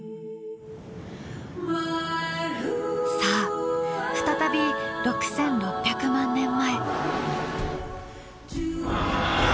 さあ再び６，６００万年前。